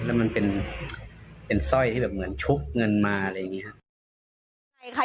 แล้วมันเป็นสร้อยที่แบบเหมือนชุกเงินมาอะไรอย่างนี้ครับ